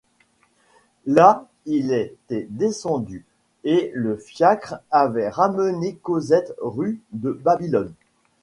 Là il était descendu, et le fiacre avait ramené Cosette rue de Babylone.